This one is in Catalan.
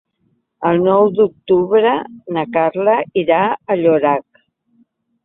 El nou d'octubre na Carla irà a Llorac.